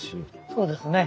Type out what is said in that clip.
そうですね。